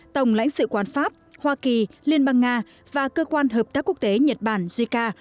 tổng lãnh sự quán pháp hoa kỳ liên bang nga và cơ quan hợp tác quốc tế nhật bản jica